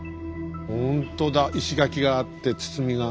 ほんとだ石垣があって堤が。